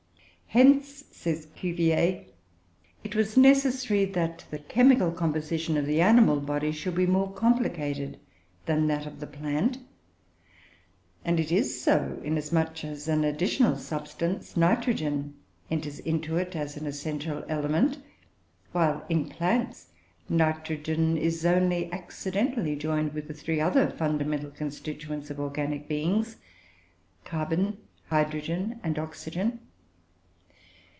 Hence, says Cuvier, it was necessary that the chemical composition of the animal body should be more complicated than that of the plant; and it is so, inasmuch as an additional substance, nitrogen, enters into it as an essential element; while, in plants, nitrogen is only accidentally joined with he three other fundamental constituents of organic beings carbon, hydrogen, and oxygen.